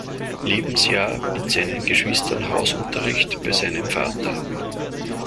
Lebensjahr mit seinen Geschwistern Hausunterricht bei seinem Vater.